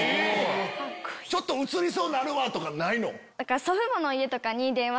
ちょっとうつりそうになるわ！とかない？